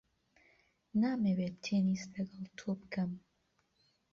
نامەوێت تێنس لەگەڵ تۆ بکەم.